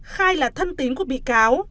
khai là thân tính của bị cáo